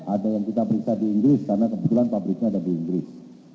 ada yang kita periksa di inggris karena kebetulan pabriknya ada di inggris